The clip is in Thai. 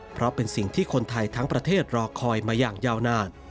เพราะเป็นสิ่งที่คนไทยทั้งประเทศรอคอยมาอย่างยาวนาน